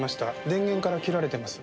電源から切られてます。